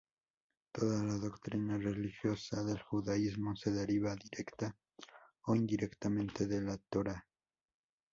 Toda la doctrina religiosa del judaísmo se deriva, directa o indirectamente, de la Torah.